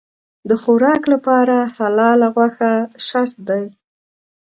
د خوراک لپاره حلاله غوښه شرط دی.